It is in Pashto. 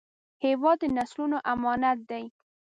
هېواد د نسلونو امانت دی